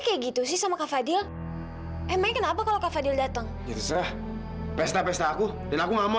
kaya gitu sih sama kak fadil emang kenapa kalau kak fadil datang peserta peserta aku dan aku nggak mau